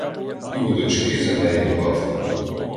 І у дочки з Енеєм лад.